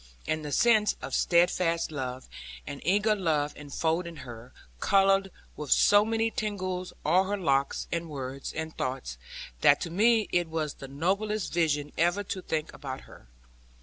And the sense of steadfast love, and eager love enfolding her, coloured with so many tinges all her looks, and words, and thoughts, that to me it was the noblest vision even to think about her.